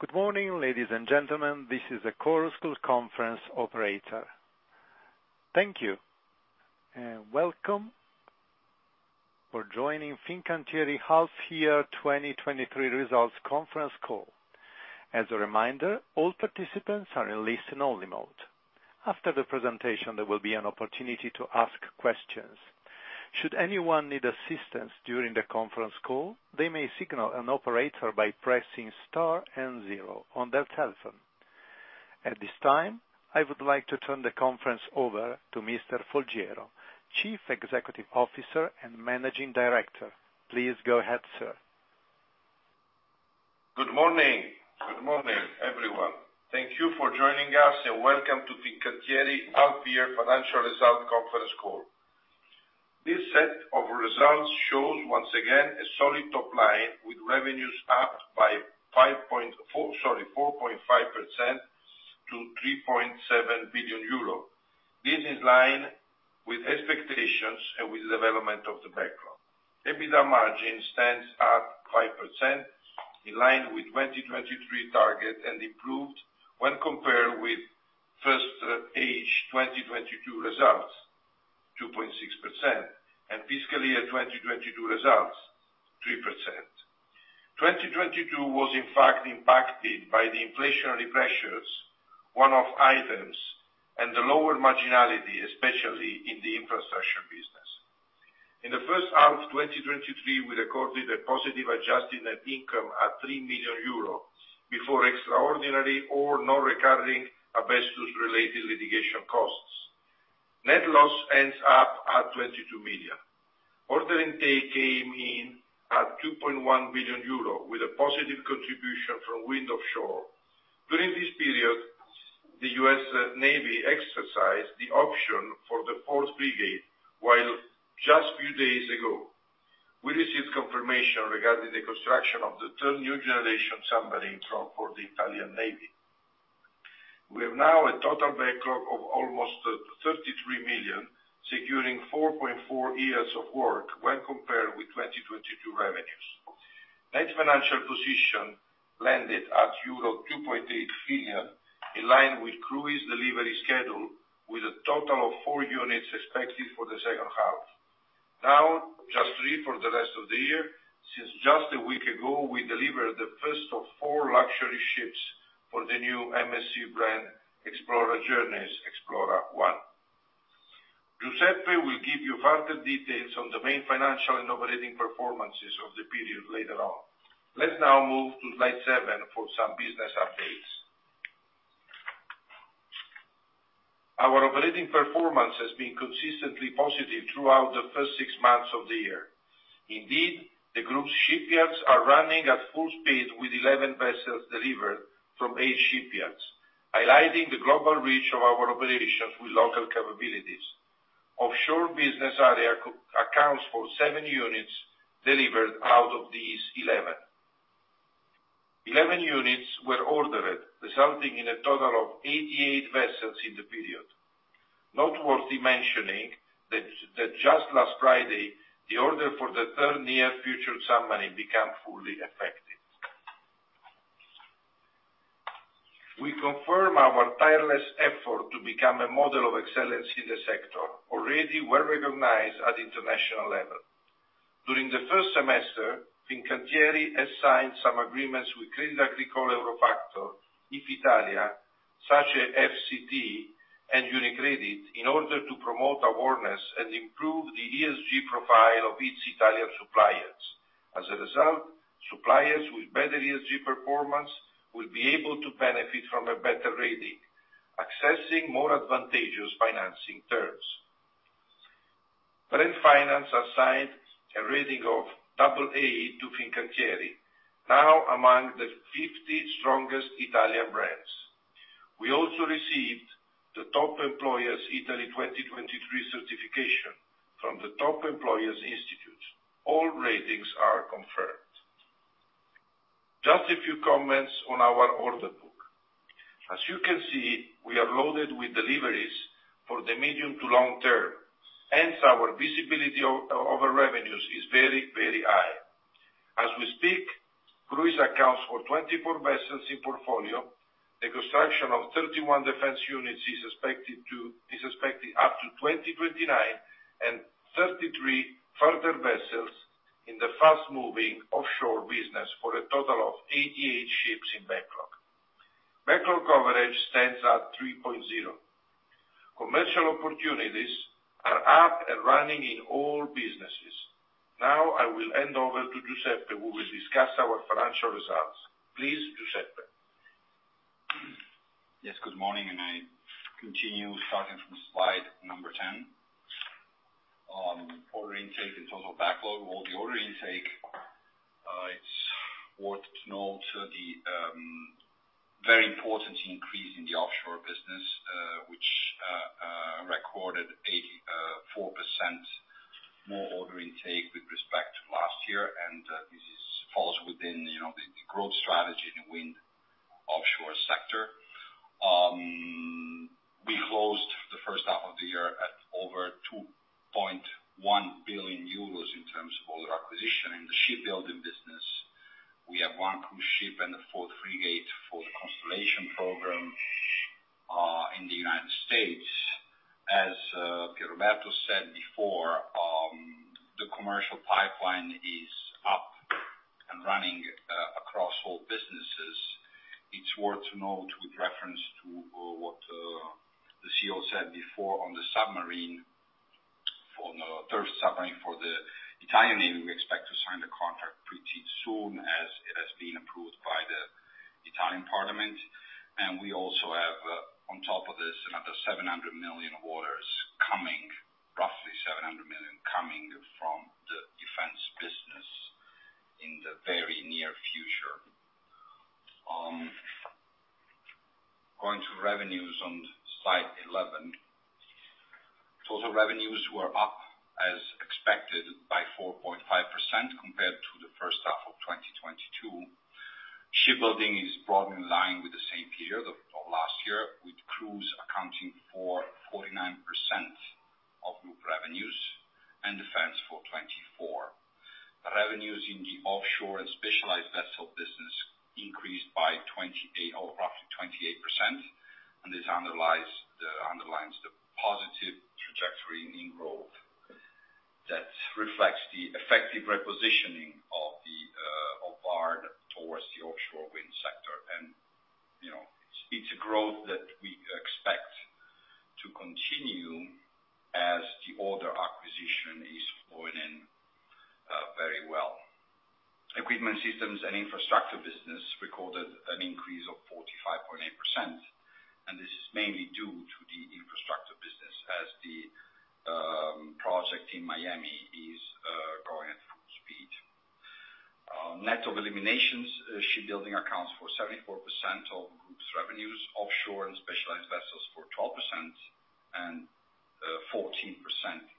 Good morning, ladies and gentlemen. This is the Chorus Call conference operator. Thank you, and welcome for joining Fincantieri half year 2023 results conference call. As a reminder, all participants are in listen-only mode. After the presentation, there will be an opportunity to ask questions. Should anyone need assistance during the conference call, they may signal an operator by pressing star and zero on their telephone. At this time, I would like to turn the conference over to Mr. Folgiero, Chief Executive Officer and Managing Director. Please go ahead, sir. Good morning. Good morning, everyone. Thank you for joining us, and welcome to Fincantieri half year financial result conference call. This set of results shows once again a solid top line with revenues up by 4.5% to 3.7 billion euro. This is line with expectations and with development of the backlog. EBITDA margin stands at 5%, in line with 2023 target and improved when compared with H1 2022 results, 2.6%, and fiscally at 2022 results, 3%. 2022 was in fact impacted by the inflationary pressures, one-off items, and the lower marginality, especially in the infrastructure business. In the H1 of 2023, we recorded a positive adjusted net income at 3 million euro before extraordinary or non-recurring asbestos-related litigation costs. Net loss ends up at 22 million. Order intake came in at 2.1 billion euro, with a positive contribution from Wind Offshore. During this period, the US Navy exercised the option for the fourth frigate, while just few days ago, we received confirmation regarding the construction of the third new generation submarine for the Italian Navy. We have now a total backlog of almost 33 million, securing 4.4 years of work when compared with 2022 revenues. Net financial position landed at euro 2.8 billion, in line with cruise delivery schedule, with a total of 4 units expected for the H2. Just 3 for the rest of the year, since just a week ago, we delivered the first of 4 luxury ships for the new MSC brand, Explora Journeys, EXPLORA One. Giuseppe will give you further details on the main financial and operating performances of the period later on. Let's now move to slide 7 for some business updates. Our operating performance has been consistently positive throughout the first 6 months of the year. The group's shipyards are running at full speed with 11 vessels delivered from eight shipyards, highlighting the global reach of our operations with local capabilities. Offshore business area accounts for seven units delivered out of these 11. 11 units were ordered, resulting in a total of 88 vessels in the period. Noteworthy mentioning that just last Friday, the order for the third Near Future Submarine became fully effective. We confirm our tireless effort to become a model of excellence in the sector, already well recognised at international level. During the first semester, Fincantieri has signed some agreements with Crédit Agricole Eurofactor, Ifitalia, SACE Fct, and UniCredit, in order to promote awareness and improve the ESG profile of its Italian suppliers. As a result, suppliers with better ESG performance will be able to benefit from a better rating, accessing more advantageous financing terms. Brand Finance assigned a rating of AA to Fincantieri, now among the 50 strongest Italian brands. We also received the Top Employers Italy 2023 certification from the Top Employers Institute. All ratings are confirmed. Just a few comments on our order book. As you can see, we are loaded with deliveries for the medium to long term, hence our visibility over revenues is very, very high. As we speak, cruise accounts for 24 vessels in portfolio. The construction of 31 defence units is expected up to 2029, and 33 further vessels in the fast-moving offshore business, for a total of 88 ships in backlog. Backlog coverage stands at 3.0. Commercial opportunities are up and running in all businesses. Now, I will hand over to Giuseppe, who will discuss our financial results. Please, Giuseppe. Yes, good morning, I continue starting from slide number 10 on order intake and total backlog. Well, the order intake, it's worth to note the very important increase in the offshore business, which recorded 84% more order intake with respect to last year, this is falls within, you know, the growth strategy in the wind offshore sector. The H1 of the year at over 2.1 billion euros in terms of order acquisition. In the shipbuilding business, we have 1 cruise ship and the 4th frigate for the Constellation program in the United States. As Pierroberto said before, the commercial pipeline is up and running across all businesses. It's worth to note, with reference to what the CEO said before on the submarine, for the 3rd submarine for the Italian Navy, we expect to sign the contract pretty soon, as it has been approved by the Italian Parliament. We also have on top of this, another 700 million orders coming, roughly 700 million, coming from the defence business in the very near future. Going to revenues on slide 11. Total revenues were up as expected by 4.5% compared to the H1 of 2022. Shipbuilding is broadly in line with the same period of last year, with cruise accounting for 49% of group revenues and defence for 24%. Revenues in the offshore and specialised vessel business increased by 28% or roughly 28%. This underlines the positive trajectory in growth that reflects the effective repositioning of Vard towards the offshore wind sector. You know, it's a growth that we expect to continue as the order acquisition is flowing in very well. Equipment systems and infrastructure business recorded an increase of 45.8%. This is mainly due to the infrastructure business as the project in Miami is going at full speed. Net of eliminations, shipbuilding accounts for 74% of group's revenues, offshore and specialised vessels for 12%, and 14%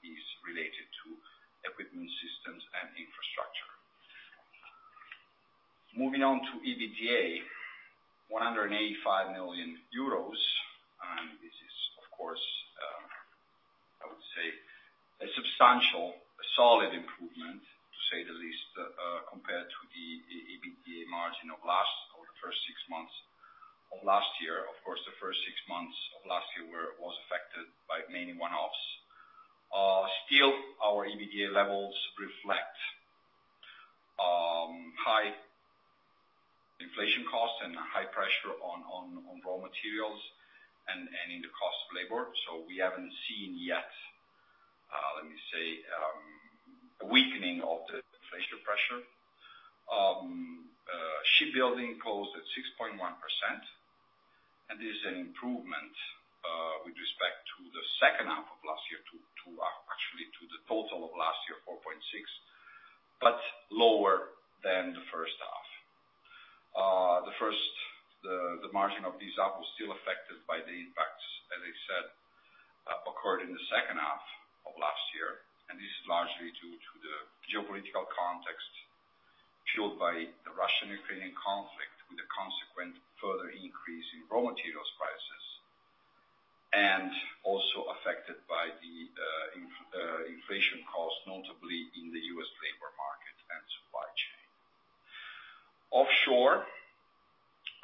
is related to equipment systems and infrastructure. Moving on to EBITDA, 185 million euros, this is, of course, I would say, a substantial solid improvement, to say the least, compared to the EBITDA margin of last or the first six months of last year. Of course, the first six months of last year was affected by many one-offs. Still, our EBITDA levels reflect, high inflation costs and high pressure on raw materials and in the cost of labor, we haven't seen yet, let me say, a weakening of the inflation pressure. Shipbuilding closed at 6.1%, this is an improvement with respect to the H2 of last year, to actually to the total of last year, 4.6%, lower than the H1. The first, the margin of this half was still affected by the impacts, as I said, occurred in the H2 of last year, and this is largely due to the geopolitical context fueled by the Russo-Ukrainian War, with a consequent further increase in raw materials prices, and also affected by the inflation cost, notably in the U.S. labor market and supply chain. Offshore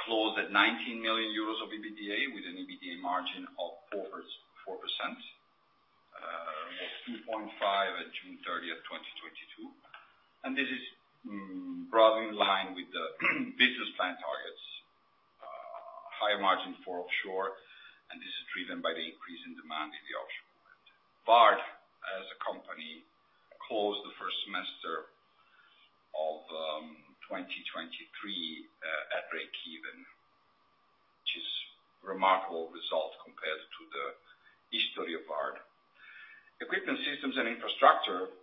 closed at 19 million euros of EBITDA, with an EBITDA margin of 4.4%, was 2.5% at June 30th, 2022. This is broadly in line with the business plan targets. Higher margin for offshore, and this is driven by the increase in demand in the offshore market. Vard, as a company, closed the first semester of 2023 at breakeven, which is remarkable result compared to the history of Vard. Equipment systems and infrastructure,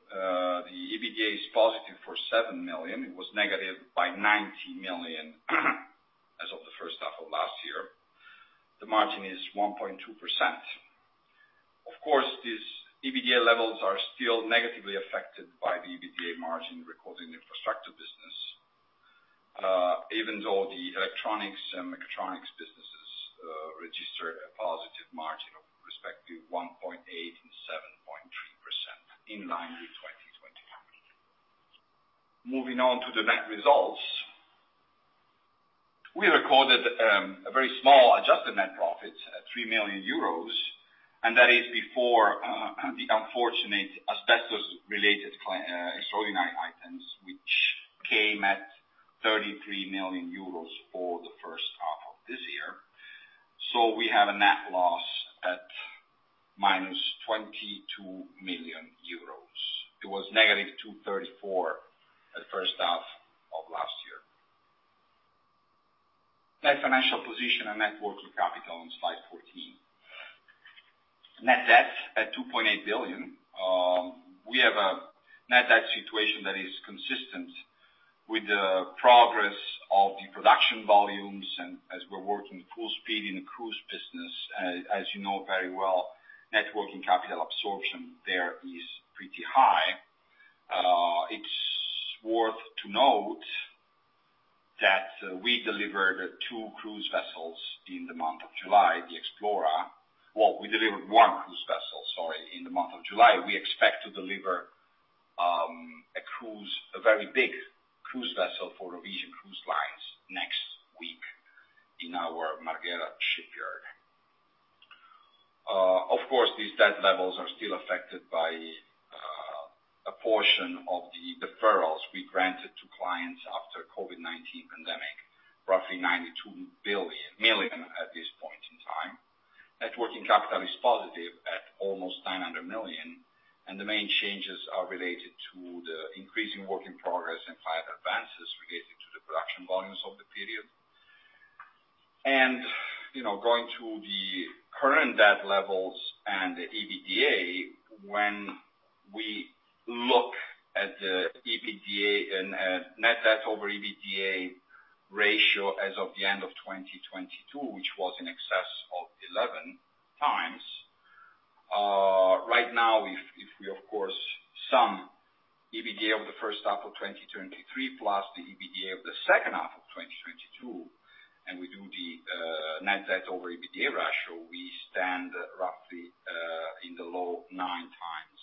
the EBITDA is positive for 7 million. It was negative by 90 million, as of the H1 of last year. The margin is 1.2%. Of course, these EBITDA levels are still negatively affected by the EBITDA margin recorded in the infrastructure business, even though the electronics and mechatronics businesses registered a positive margin of respective 1.8% and 7.3% in line with 2025. Moving on to the net results. We recorded a very small adjusted net profit, 3 million euros, and that is before the unfortunate asbestos-related extraordinary items, which came at 33 million euros for the H1 of this year. We have a net loss at minus 22 million euros. It was negative 234 million at H1 of last year. Net financial position and net working capital on slide 14. Net debt at 2.8 billion. We have a net debt situation that is consistent with the progress of the production volumes, and as we're working full speed in the cruise business, as you know very well, net working capital absorption there is pretty high. It's worth to note that we delivered two cruise vessels in the month of July, the EXPLORA. Well, we delivered 1 cruise vessel, sorry, in the month of July. We expect to deliver a cruise, a very big cruise vessel for Norwegian Cruise Line next week in our Marghera shipyard. Of course, these debt levels are still affected by a portion of the deferrals we granted to clients after COVID-19 pandemic, roughly 92 million at this point in time. Net working capital is positive at almost 900 million, the main changes are related to the increasing work in progress and client advances related to the production volumes of the period. You know, going to the current debt levels and the EBITDA, when we look at the EBITDA and net debt over EBITDA ratio as of the end of 2022, which was in excess of 11 times, right now, if we, of course, sum EBITDA of the H1 of 2023, plus the EBITDA of the H2 of 2022, and we do the net debt over EBITDA ratio, we stand roughly in the low nine times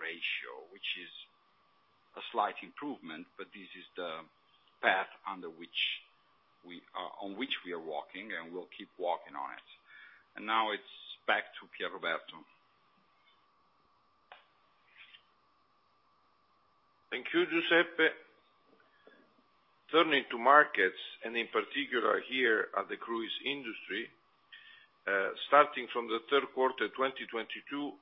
ratio, which is a slight improvement, but this is the path on which we are walking, and we'll keep walking on it. Now it's back to Pierroberto. Thank you, Giuseppe. Turning to markets, in particular here at the cruise industry, starting from the Q3 of 2022,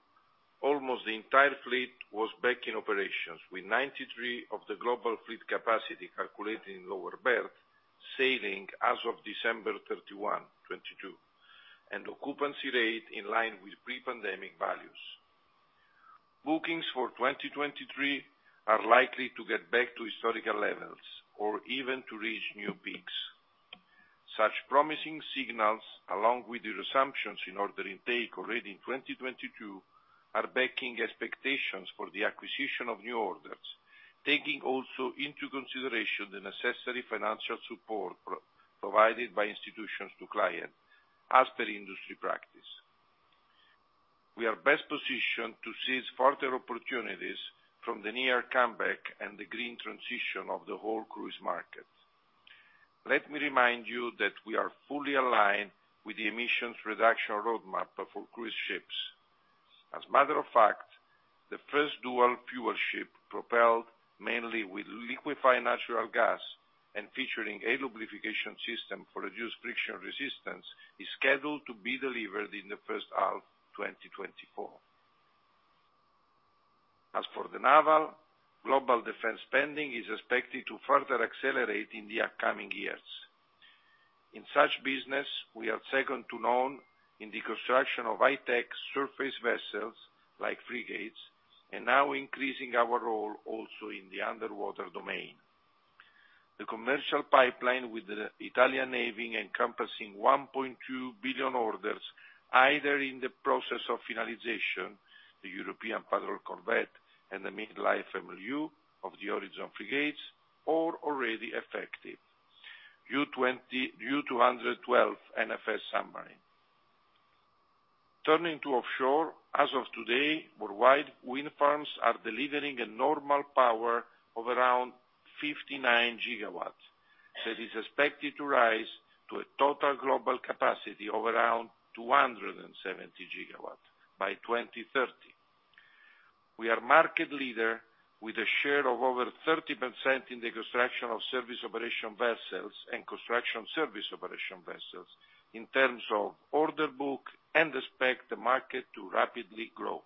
almost the entire fleet was back in operations, with 93% of the global fleet capacity calculated in lower berth, sailing as of December 31, 2022, and occupancy rate in line with pre-pandemic values. Bookings for 2023 are likely to get back to historical levels or even to reach new peaks. Such promising signals, along with the resumptions in order intake already in 2022, are backing expectations for the acquisition of new orders, taking also into consideration the necessary financial support provided by institutions to clients, as per industry practice. We are best positioned to seize further opportunities from the near comeback and the green transition of the whole cruise market. Let me remind you that we are fully aligned with the emissions reduction roadmap for cruise ships. As a matter of fact, the first dual-fuel ship, propelled mainly with liquefied natural gas and featuring a lubrication system for reduced friction resistance, is scheduled to be delivered in the H1 of 2024. For the naval, global defense spending is expected to further accelerate in the upcoming years. In such business, we are second to none in the construction of high-tech surface vessels, like frigates, and now increasing our role also in the underwater domain. The commercial pipeline with the Italian Navy encompassing 1.2 billion orders, either in the process of finalisation, the European Patrol Corvette and the Mid-Life MLU of the Horizon frigates, or already effective, U212NFS submarine. Turning to offshore, as of today, worldwide wind farms are delivering a normal power of around 59 gigawatts, that is expected to rise to a total global capacity of around 270 gigawatts by 2030. We are market leader with a share of over 30% in the construction of service operation vessels and construction service operation vessels in terms of order book and expect the market to rapidly grow.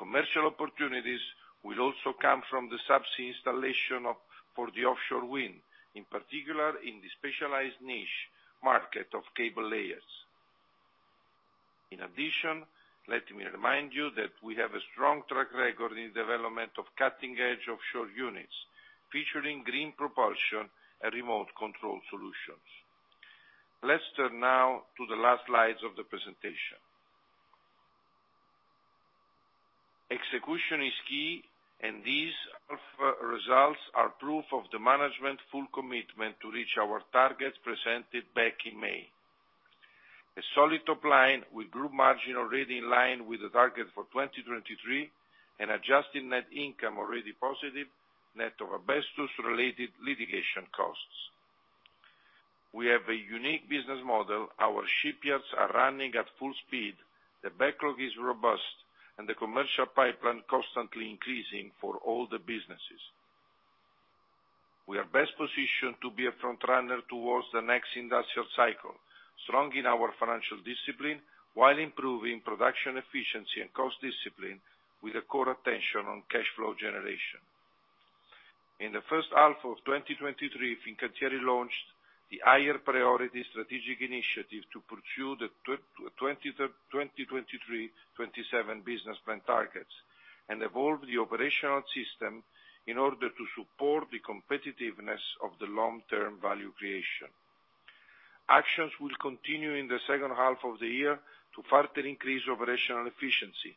Commercial opportunities will also come from the subsea installation of, for the offshore wind, in particular in the specialised niche market of cable layers. In addition, let me remind you that we have a strong track record in the development of cutting-edge offshore units, featuring green propulsion and remote control solutions. Let's turn now to the last slides of the presentation. Execution is key. These half results are proof of the management full commitment to reach our targets presented back in May. A solid top line with group margin already in line with the target for 2023, and adjusted net income already positive, net of asbestos-related litigation costs. We have a unique business model. Our shipyards are running at full speed, the backlog is robust, and the commercial pipeline constantly increasing for all the businesses. We are best positioned to be a front runner towards the next industrial cycle, strong in our financial discipline, while improving production efficiency and cost discipline with a core attention on cash flow generation. In the H1 of 2023, Fincantieri launched the higher priority strategic initiative to pursue the 2023 to 2027 business plan targets, and evolve the operational system in order to support the competitiveness of the long-term value creation. Actions will continue in the H2 of the year to further increase operational efficiency,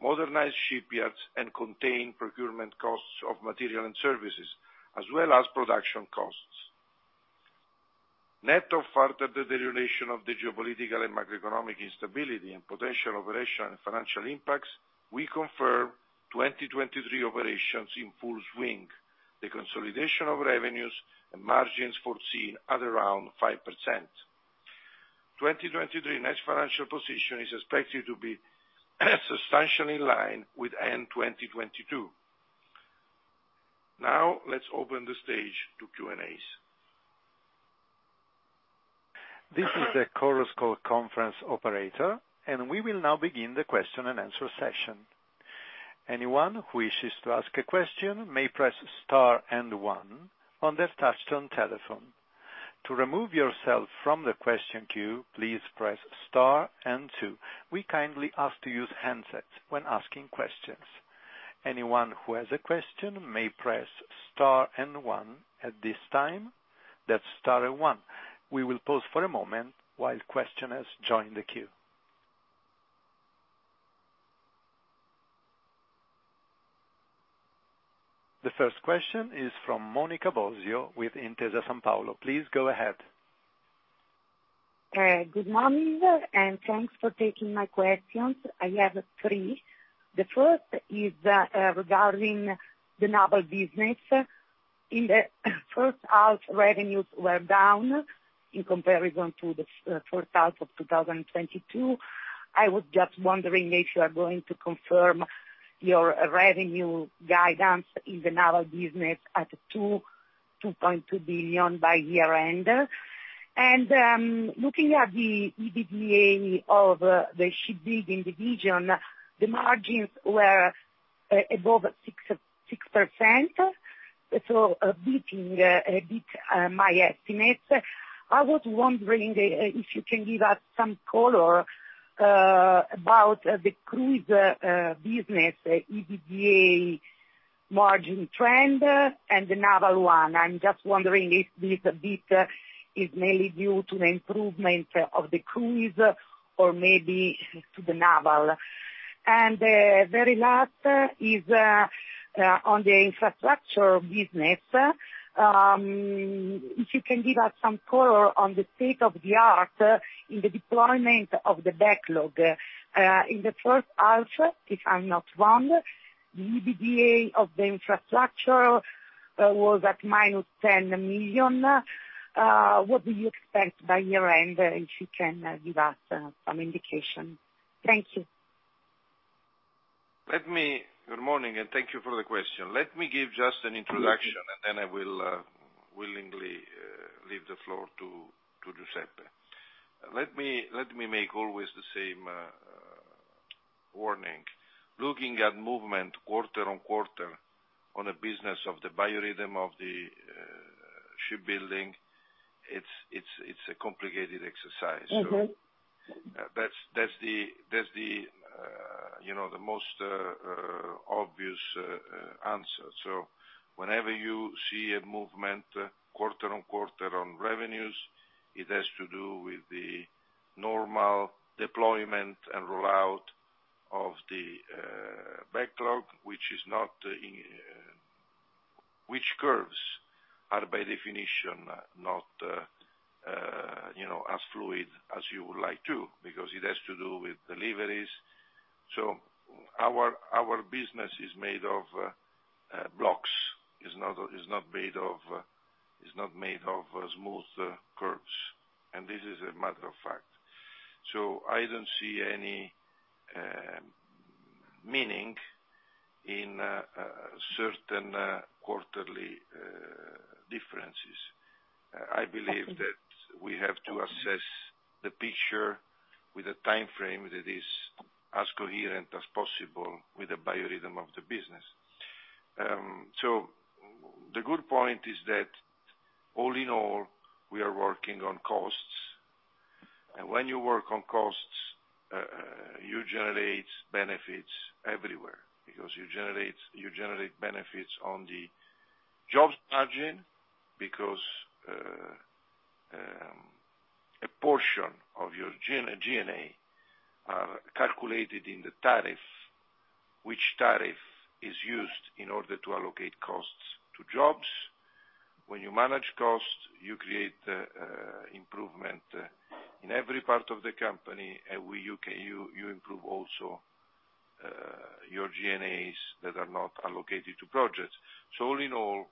modernise shipyards, and contain procurement costs of material and services, as well as production costs. Net of further deterioration of the geopolitical and macroeconomic instability and potential operational and financial impacts, we confirm 2023 operations in full swing, the consolidation of revenues and margins foreseen at around 5%. 2023 net financial position is expected to be substantially in line with end 2022. Let's open the stage to Q&As. This is the Chorus Call conference operator. We will now begin the question-and-answer session. Anyone who wishes to ask a question may press star and one on their touchtone telephone. To remove yourself from the question queue, please press star and two. We kindly ask to use handsets when asking questions. Anyone who has a question may press star and one at this time. That's star and one. We will pause for a moment while questioners join the queue. The first question is from Monica Bosio with Intesa Sanpaolo. Please go ahead. Good morning, and thanks for taking my questions. I have three. The first is regarding the naval business. In the H1, revenues were down in comparison to the H1 of 2022. I was just wondering if you are going to confirm your revenue guidance in the naval business at 2.2 billion by year end? Looking at the EBITDA of the shipbuilding division, the margins were above 6%, beating my estimates. I was wondering if you can give us some color about the cruise business EBITDA margin trend and the naval one. I'm just wondering if this beat is mainly due to the improvement of the cruise or maybe to the naval. The very last is on the infrastructure business. If you can give us some color on the state of the art in the deployment of the backlog, in the H1, if I'm not wrong, the EBITDA of the infrastructure was at minus 10 million. What do you expect by year end, if you can give us some indication? Thank you. Good morning. Thank you for the question. Let me give just an introduction. Then I will willingly leave the floor to Giuseppe. Let me make always the same warning. Looking at movement QoQ on the business of the biorhythm of the shipbuilding, it's a complicated exercise. Mm-hmm. That's the, that's the, you know, the most obvious answer. Whenever you see a movement QoQ on revenues, it has to do with the normal deployment and rollout of the backlog, which is not, which curves are, by definition, not, you know, as fluid as you would like to, because it has to do with deliveries. Our business is made of blocks. It's not made of smooth curves, and this is a matter of fact. I don't see any meaning in certain quarterly differences. Thank you. I believe that we have to assess the picture with a time frame that is as coherent as possible with the biorhythm of the business. The good point is that, all in all, we are working on costs. When you work on costs, you generate benefits everywhere because you generate benefits on the jobs margin, because a portion of your G&A are calculated in the tariff, which tariff is used in order to allocate costs to jobs. When you manage costs, you create improvement in every part of the company, and you can, you improve also your G&As that are not allocated to projects. All in all,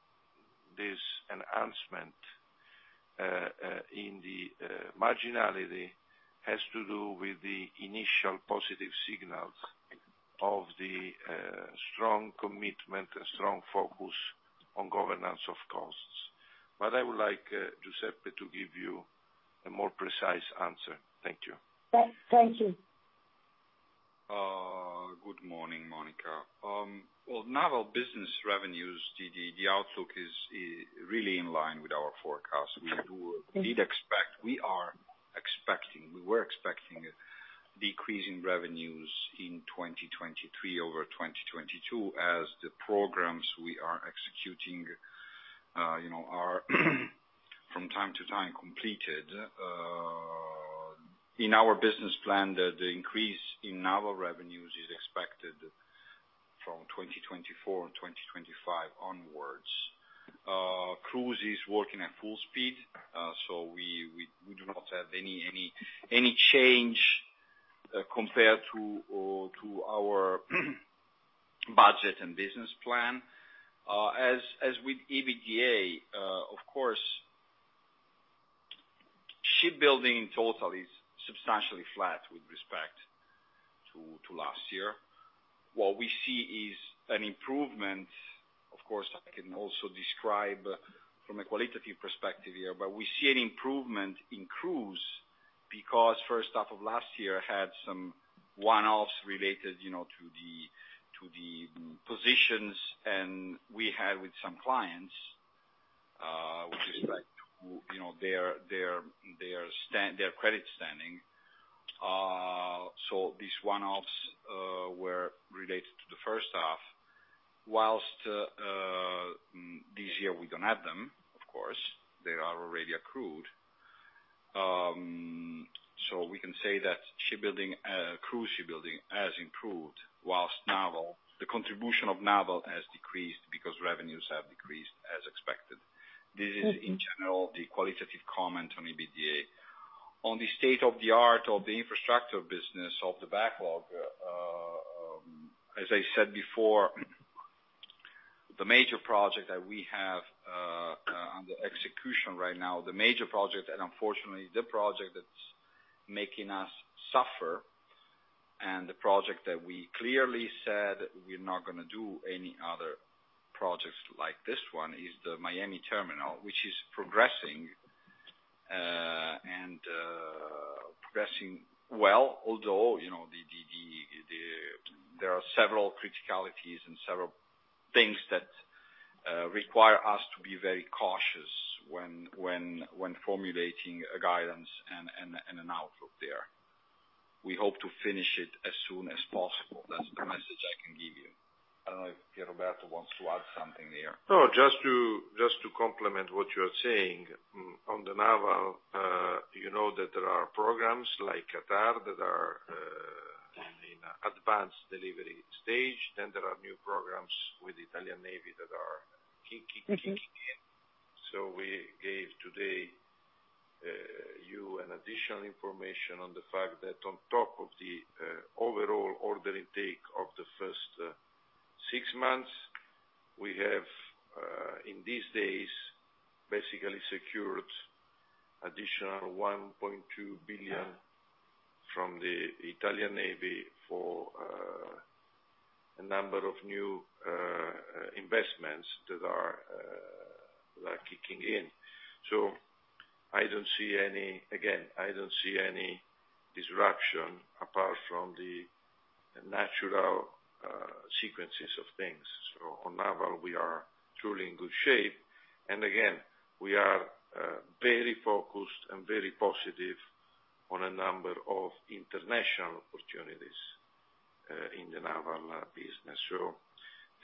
this enhancement, in the, marginality has to do with the initial positive signals of the, strong commitment and strong focus on governance of costs. I would like, Giuseppe to give you a more precise answer. Thank you. Thank you. Good morning, Monica. naval business revenues, the outlook is really in line with our forecast. Okay. We were expecting a decrease in revenues in 2023 over 2022, as the programs we are executing, you know, are from time to time completed. In our business plan, the increase in naval revenues is expected from 2024 and 2025 onwards. Cruise is working at full speed, so we do not have any change compared to our budget and business plan. As with EBITDA, of course, shipbuilding total is substantially flat with respect to last year. What we see is an improvement, of course, I can also describe from a qualitative perspective here. We see an improvement in cruise because H1 of last year had some one-offs related, you know, to the, to the positions, and we had with some clients, which is like, you know, their stand, their credit standing. These one-offs were related to the H1, whilst this year we don't have them, of course, they are already accrued. We can say that shipbuilding, cruise shipbuilding has improved, whilst naval, the contribution of naval has decreased because revenues have decreased as expected. This is, in general, the qualitative comment on EBITDA. On the state of the art of the infrastructure business, of the backlog, as I said before, the major project that we have on the execution right now, the major project, and unfortunately, the project that's making us suffer, and the project that we clearly said we're not gonna do any other projects like this one, is the Miami terminal, which is progressing and progressing well. Although, you know, there are several criticalities and several things that require us to be very cautious when formulating a guidance and an outlook there. We hope to finish it as soon as possible. That's the message I can give you. I don't know if Pierroberto wants to add something there. No, just to complement what you are saying, on the naval, you know that there are programs like Qatar that are in an advanced delivery stage. There are new programs with Italian Navy that are kicking in. Mm-hmm. We gave today, you an additional information on the fact that on top of the overall order intake of the first six months, we have in these days, basically secured additional 1.2 billion from the Italian Navy for a number of new investments that are kicking in. I don't see any disruption apart from the natural sequences of things. On naval, we are truly in good shape. Again, we are very focused and very positive on a number of international opportunities in the naval business.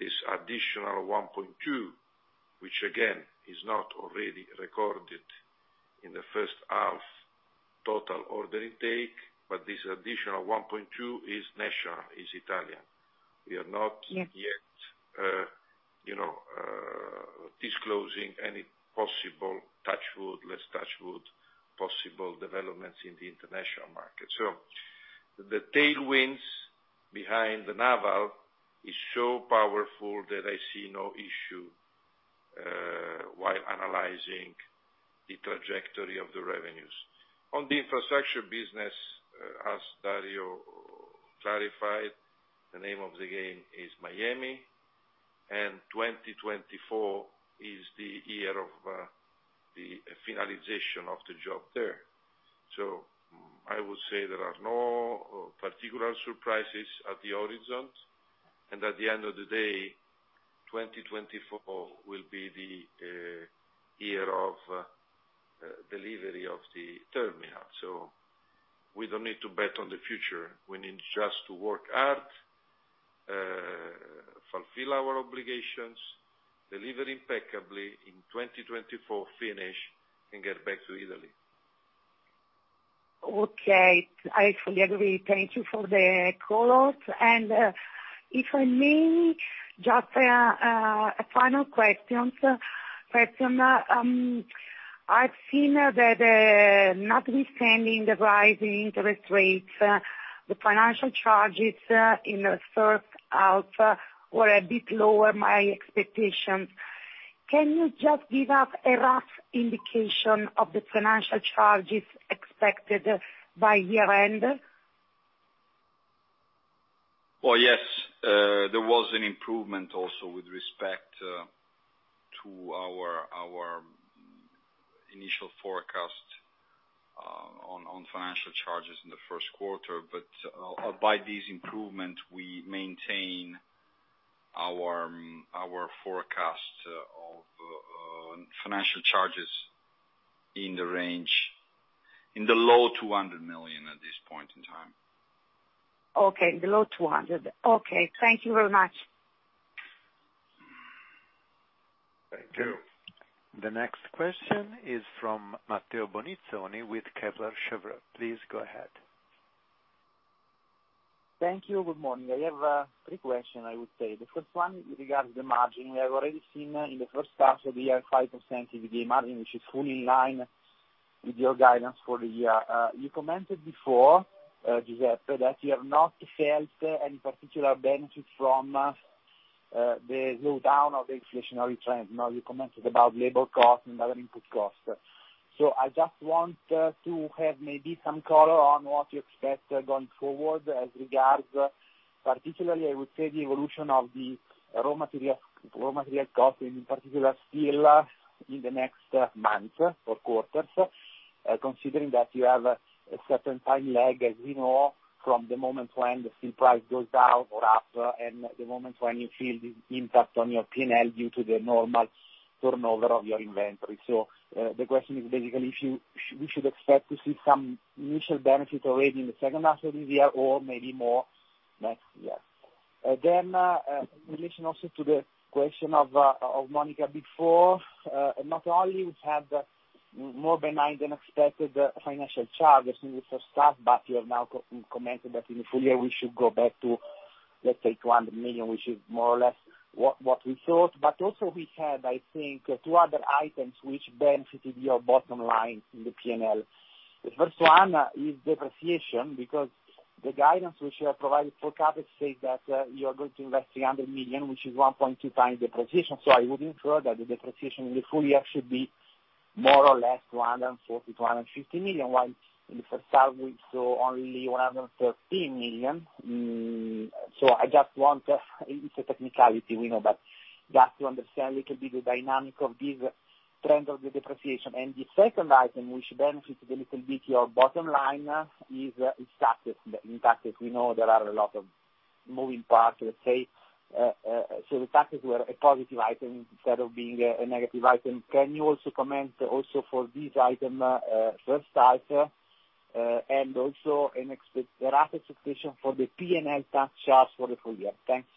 This additional 1.2 billion, which again, is not already recorded in the H1 total order intake, but this additional 1.2 billion is national, is Italian. We are not. Yes... yet, you know, disclosing any possible touch wood, less touch wood, possible developments in the international market. The tailwinds behind the naval is so powerful that I see no issue while analysing the trajectory of the revenues. On the infrastructure business, as Dario clarified, the name of the game is Miami, and 2024 is the year of the finalisation of the job there. I would say there are no particular surprises at the origins, and at the end of the day, 2024 will be the year of delivery of the terminal. We don't need to bet on the future. We need just to work hard, fulfil our obligations, deliver impeccably in 2024, finish, and get back to Italy. Okay, I fully agree. Thank you for the callout. If I may, just a final question. I've seen that notwithstanding the rising interest rates, the financial charges in the H1 were a bit lower, my expectation. Can you just give us a rough indication of the financial charges expected by year end? Yes, there was an improvement also with respect to our initial forecast on financial charges in the Q1. By this improvement, we maintain our forecast of financial charges in the low 200 million at this point in time. Okay, the low 200. Okay. Thank you very much. Thank you. The next question is from Matteo Bonizzoni with Kepler Cheuvreux. Please go ahead. Thank you. Good morning. I have three question, I would say. The first one regarding the margin. We have already seen in the H1 of the year, 5% in the margin, which is fully in line with your guidance for the year. You commented before, Giuseppe, that you have not felt any particular benefit from the low down of the inflationary trend. You commented about labor cost and other input costs. I just want to have maybe some color on what you expect going forward as regards, particularly, I would say, the evolution of the raw material cost, in particular, steel, in the next months or quarters, considering that you have a certain time lag, as we know, from the moment when the steel price goes down or up, and the moment when you feel the impact on your PNL due to the normal turnover of your inventory. The question is basically if we should expect to see some initial benefit already in the H2 of this year or maybe more next year? In relation also to the question of Monica before, not only we've had more benign than expected financial charges in the H1, but you have now commented that in the full year, we should go back to, let's say, 200 million, which is more or less what we thought. Also we had, I think, two other items which benefited your bottom line in the PNL. The first one is depreciation, because the guidance which you have provided for CapEx say that, you are going to invest 300 million, which is 1.2x depreciation. So I would infer that the depreciation in the full year should be more or less 140 million-150 million, while in the H1 we saw only 113 million. I just want, it's a technicality, we know, but just to understand a little bit, the dynamic of this trend of the depreciation. The second item, which benefits a little bit your bottom line, is taxes. In taxes, we know there are a lot of moving parts, let's say. The taxes were a positive item instead of being a negative item. Can you also comment also for this item, H1, and also the rapid expectation for the PNL tax charge for the full year? Thanks.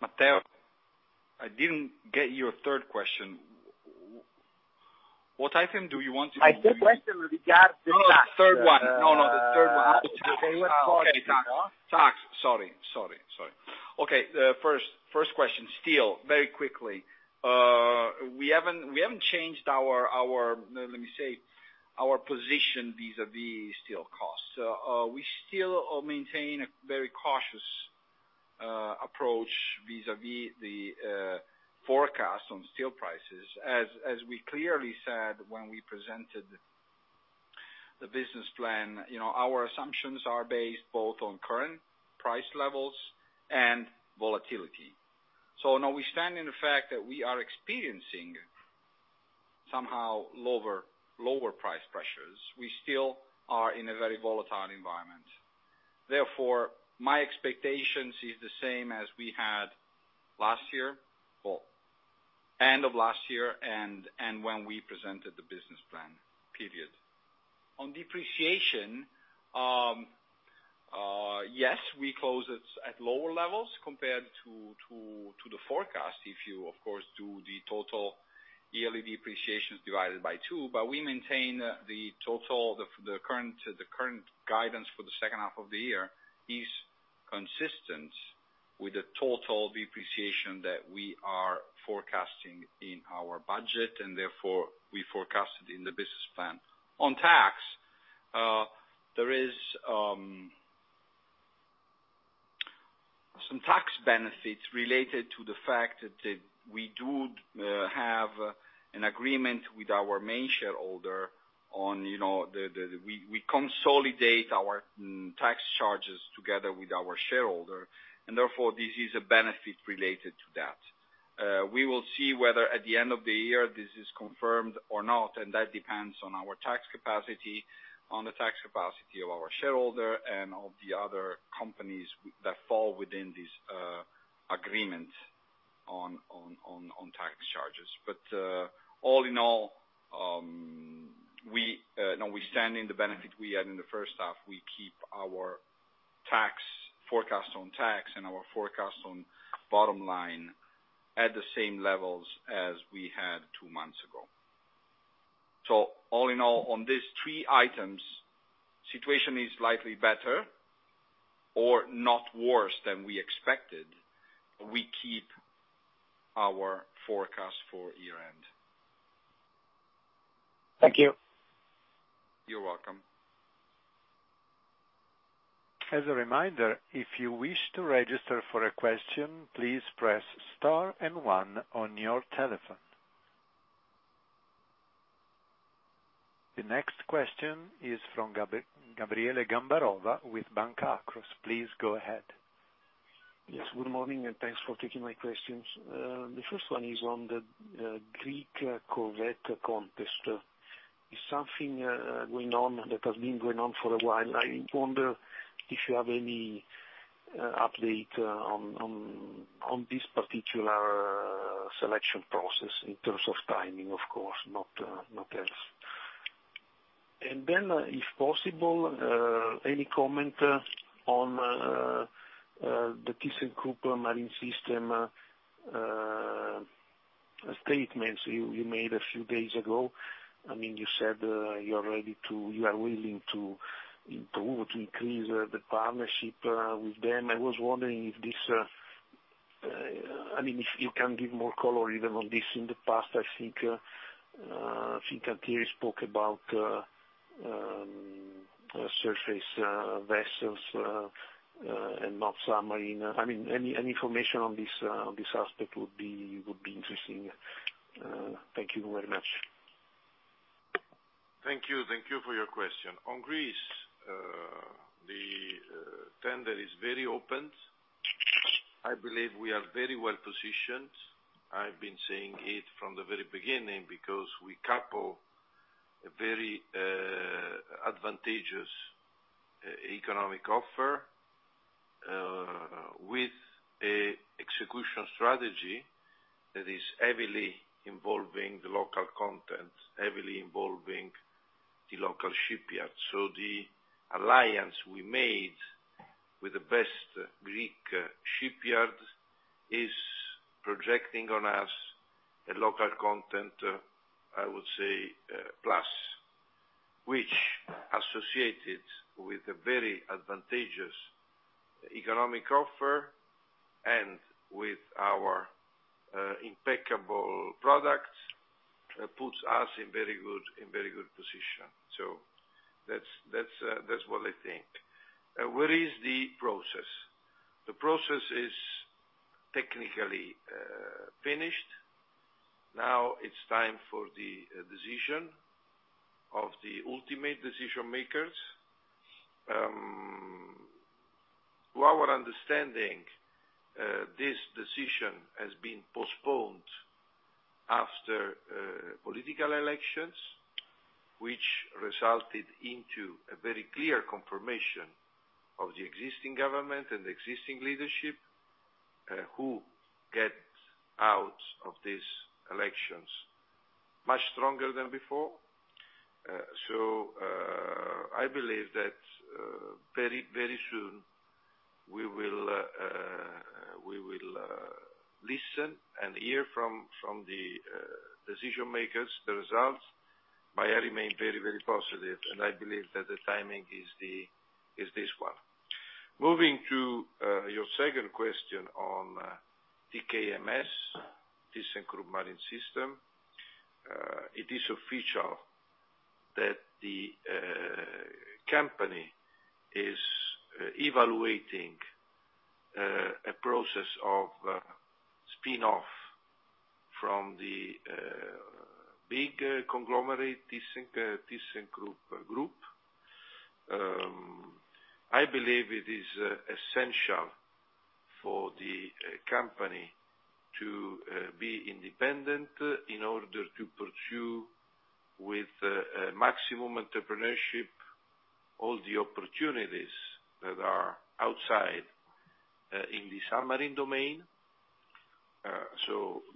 Matteo, I didn't get your third question. What item do you want to? My third question regards the tax. No, the third one. No, the third one. Sorry. Tax. Sorry, sorry. Okay. The first question, steel, very quickly. We haven't changed our, let me say, our position vis-a-vis steel costs. We still maintain a very cautious approach vis-a-vis the forecast on steel prices. As we clearly said, when we presented the business plan, you know, our assumptions are based both on current price levels and volatility. Now we stand in the fact that we are experiencing somehow lower price pressures. We still are in a very volatile environment. My expectations is the same as we had last year, well, end of last year and when we presented the business plan, period. On depreciation, yes, we close it at lower levels compared to the forecast, if you, of course, do the total yearly depreciations divided by 2. We maintain the total, the current guidance for the H2 of the year is consistent with the total depreciation that we are forecasting in our budget. Therefore, we forecast it in the business plan. On tax, there is some tax benefits related to the fact that we do have an agreement with our main shareholder on, you know, the, we consolidate our tax charges together with our shareholder. Therefore, this is a benefit related to that. We will see whether at the end of the year this is confirmed or not. That depends on our tax capacity, on the tax capacity of our shareholder and all the other companies that fall within this agreement on tax charges. All in all, no, we stand in the benefit we had in the H1. We keep our tax forecast on tax and our forecast on bottom line at the same levels as we had two months ago. All in all, on these three items, situation is slightly better or not worse than we expected. We keep our forecast for year-end. Thank you. You're welcome. As a reminder, if you wish to register for a question, please press star and one on your telephone. The next question is from Gabriele Gambarova with Banca Akros. Please go ahead. Good morning, thanks for taking my questions. The first one is on the Greek Corvette contest.... It's something going on that has been going on for a while. I wonder if you have any update on, on this particular selection process in terms of timing, of course, not not else. If possible, any comment on the ThyssenKrupp Marine Systems statements you made a few days ago? I mean, you said you are willing to improve, to increase the partnership with them. I was wondering if this, I mean, if you can give more color even on this. In the past, I think, I think Antonio spoke about surface vessels and not submarine. I mean, any information on this on this aspect would be interesting. Thank you very much. Thank you. Thank you for your question. On Greece, the tender is very opened. I believe we are very well positioned. I've been saying it from the very beginning because we couple a very advantageous economic offer with a execution strategy that is heavily involving the local content, heavily involving the local shipyard. The alliance we made with the best Greek shipyard is projecting on us a local content, I would say, plus, which associated with a very advantageous economic offer and with our impeccable products puts us in very good position. That's, that's what I think. Where is the process? The process is technically finished. Now it's time for the decision of the ultimate decision makers. To our understanding, this decision has been postponed after political elections, which resulted into a very clear confirmation of the existing government and the existing leadership, who get out of these elections much stronger than before. I believe that very, very soon, we will listen and hear from the decision makers, the results, but I remain very, very positive, and I believe that the timing is this one. Moving to your second question on TKMS, ThyssenKrupp Marine Systems, it is official that the company is evaluating a process of spin-off from the big conglomerate, ThyssenKrupp AG. I believe it is essential for the company to be independent in order to pursue with maximum entrepreneurship, all the opportunities that are outside in the submarine domain.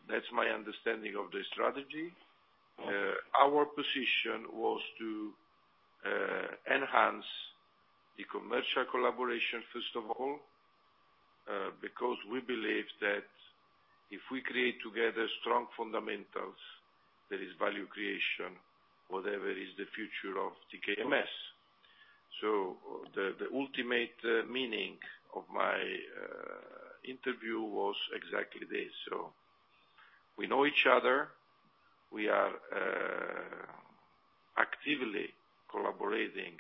That's my understanding of the strategy. Our position was to enhance the commercial collaboration, first of all, because we believe that if we create together strong fundamentals, there is value creation, whatever is the future of TKMS. The ultimate meaning of my interview was exactly this. We know each other. We are actively collaborating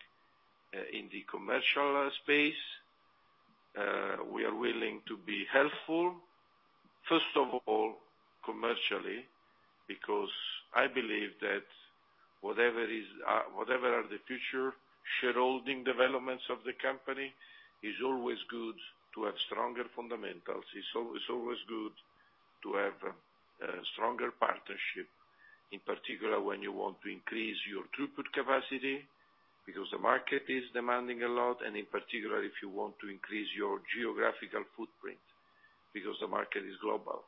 in the commercial space. We are willing to be helpful, first of all, commercially, because I believe that whatever is whatever are the future shareholding developments of the company, it's always good to have stronger fundamentals. It's always good to have a stronger partnership, in particular, when you want to increase your throughput capacity, because the market is demanding a lot. In particular, if you want to increase your geographical footprint, because the market is global.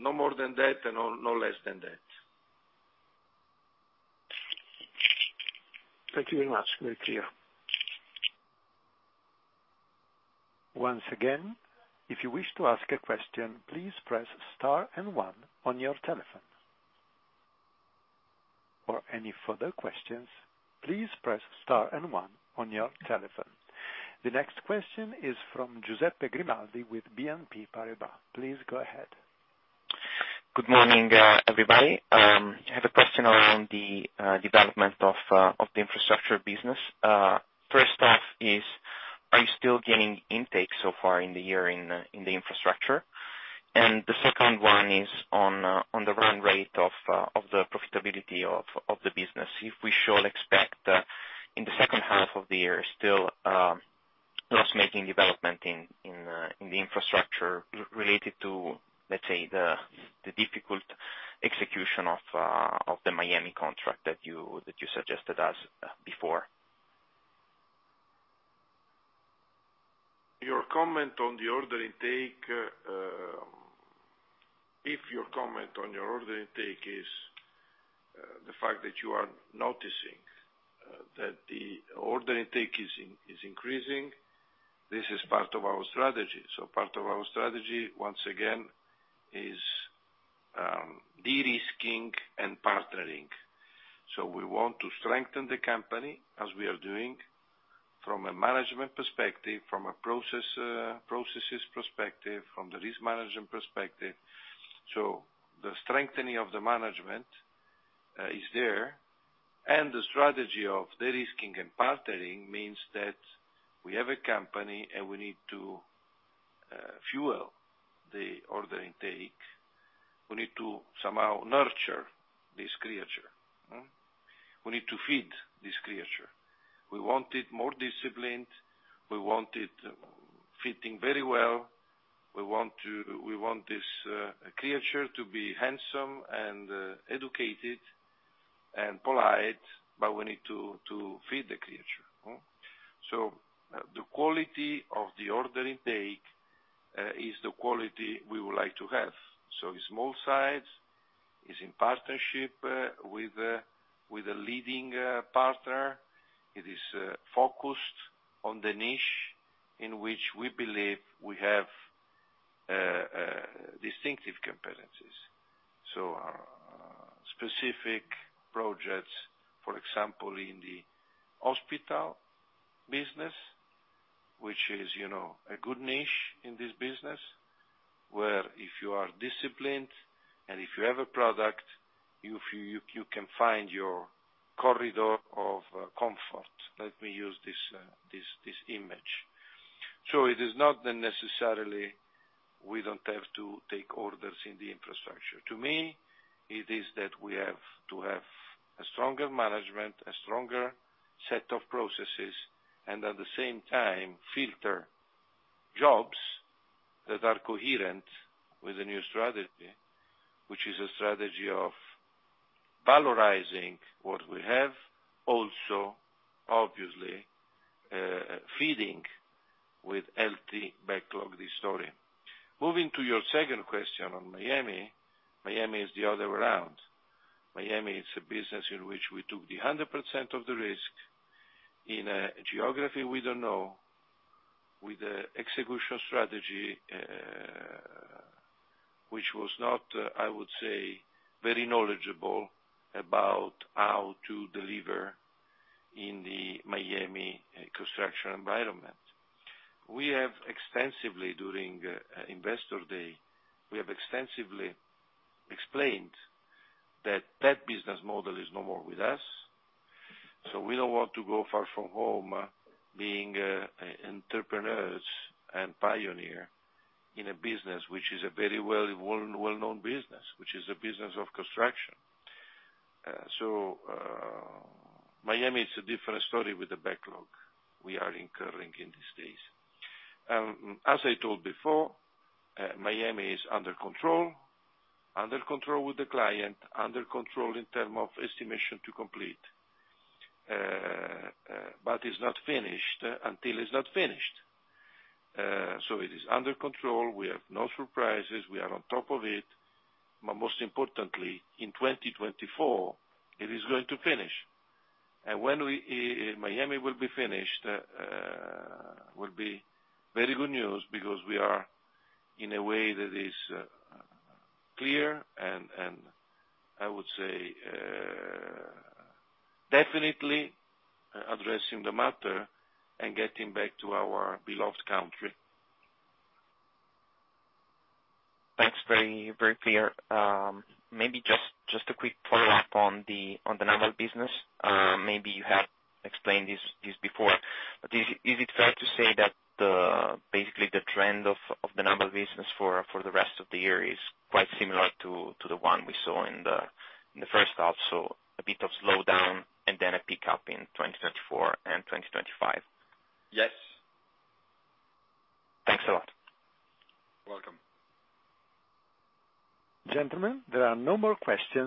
No more than that, no less than that. Thank you very much. Very clear. Once again, if you wish to ask a question, please press star and one on your telephone. For any further questions, please press star and one on your telephone. The next question is from Giuseppe Grimaldi with BNP Paribas. Please go ahead. Good morning, everybody. I have a question around the development of the infrastructure business. First off is, are you still gaining intake so far in the year in the infrastructure? The second one is on the run rate of the profitability of the business. If we shall expect in the H2 of the year, still loss-making development in the infrastructure related to, let's say, the difficult execution of the Miami contract that you suggested us before? Your comment on the order intake, if your comment on your order intake is the fact that you are noticing that the order intake is increasing, this is part of our strategy. Part of our strategy, once again, is de-risking and partnering. We want to strengthen the company as we are doing from a management perspective, from a process, processes perspective, from the risk management perspective. The strengthening of the management is there, and the strategy of de-risking and partnering means that we have a company, and we need to fuel the order intake. We need to somehow nurture this creature. We need to feed this creature. We want it more disciplined, we want it fitting very well, we want this creature to be handsome, and educated, and polite, but we need to feed the creature. The quality of the order intake is the quality we would like to have. It's small size, is in partnership with a leading partner. It is focused on the niche in which we believe we have distinctive competencies. Specific projects, for example, in the hospital business, which is, you know, a good niche in this business, where if you are disciplined and if you have a product, you can find your corridor of comfort. Let me use this image. It is not that necessarily we don't have to take orders in the infrastructure. To me, it is that we have to have a stronger management, a stronger set of processes, and at the same time, filter jobs that are coherent with the new strategy, which is a strategy of valorizing what we have, also, obviously, feeding with healthy backlog this story. Moving to your second question on Miami is the other way around. Miami is a business in which we took the 100% of the risk in a geography we don't know, with a execution strategy, which was not, I would say, very knowledgeable about how to deliver in the Miami construction environment. We have extensively, during Investor Day, we have extensively explained that that business model is no more with us. We don't want to go far from home being entrepreneurs and pioneer in a business which is a very well-known business, which is a business of construction. Miami is a different story with the backlog we are incurring in these days. As I told before, Miami is under control. Under control with the client, under control in terms of Estimation to Complete. It's not finished until it's not finished. It is under control, we have no surprises, we are on top of it, but most importantly, in 2024, it is going to finish. When we, Miami will be finished, will be very good news because we are in a way that is clear and I would say, definitely addressing the matter and getting back to our beloved country. Thanks, very, very clear. Maybe just a quick follow-up on the naval business. Maybe you have explained this before, but is it fair to say that basically the trend of the naval business for the rest of the year is quite similar to the one we saw in the H1, so a bit of slowdown, and then a pickup in 2024 and 2025? Yes. Thanks a lot. Welcome. Gentlemen, there are no more questions.